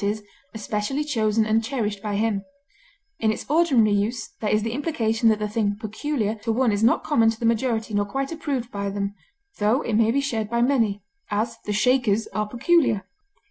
e._, especially chosen and cherished by him; in its ordinary use there is the implication that the thing peculiar to one is not common to the majority nor quite approved by them, though it may be shared by many; as, the Shakers are peculiar.